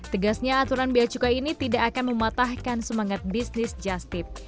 tegasnya aturan bea cukai ini tidak akan mematahkan semangat bisnis just tip